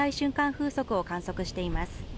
風速を観測しています